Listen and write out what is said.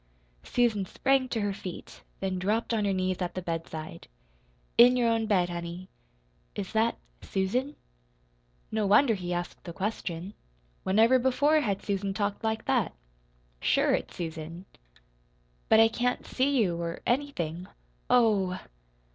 Susan sprang to her feet, then dropped on her knees at the bedside. "In your own bed honey." "Is that Susan?" No wonder he asked the question. Whenever before had Susan talked like that? "Sure it's Susan." "But I can't see you or anything. Oh h!"